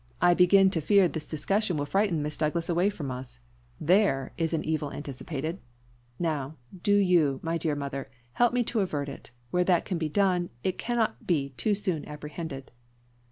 I begin to fear this discussion will frighten Miss Douglas away from us. There is an evil anticipated! Now, do you, my dear mother, help me to avert it; where that can be done, it cannot be too soon apprehended."